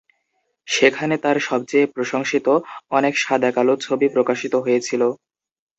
সেখানে তার সবচেয়ে প্রশংসিত, অনেক সাদা কালো ছবি প্রকাশিত হয়েছিল।